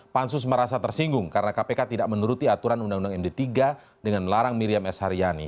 pansus merasa tersinggung karena kpk tidak menuruti aturan undang undang md tiga dengan melarang miriam s haryani